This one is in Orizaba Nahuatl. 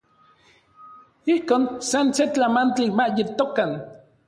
Ijkon san se tlamantli ma yetokan.